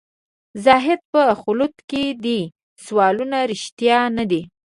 زاهده په خلوت کې دي سوالونه رښتیا نه دي.